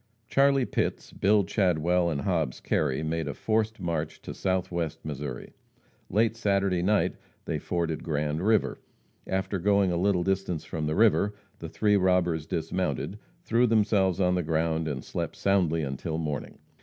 Charlie Pitts, Bill Chadwell and Hobbs Kerry made a forced march to Southwest Missouri. Late Saturday night they forded Grand river. After going a little distance from the river, the three robbers dismounted, threw themselves on the ground, and slept soundly until morning.